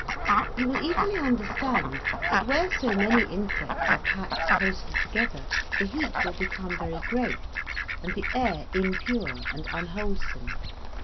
You will easily understand that where so many insects are packed closely together the heat will become very great, and the air impure and unwholesome.